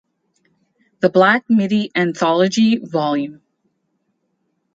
The Black Midi Anthology Vol.